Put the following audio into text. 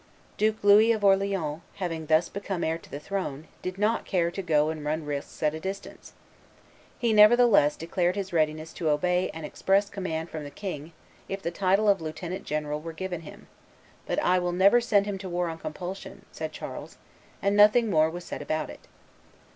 Duke Louis of Orleans, having thus become heir to the throne, did not care to go and run risks at a distance. He, nevertheless, declared his readiness to obey an express command from the king if the title of lieutenant general were given him; but "I will never send him to war on compulsion," said Charles, and nothing more was said about it.